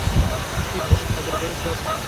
Sick ওর কাজে বেশ দক্ষ।